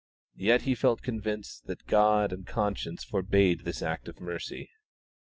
Yet he felt convinced that God and conscience forbade this act of mercy.